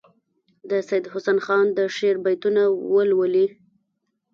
د سیدحسن خان د شعر بیتونه ولولي.